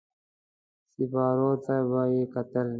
سېپارو ته به يې کتل.